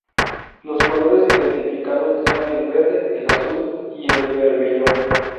Los colores identificativos son el verde, el azul y el bermellón.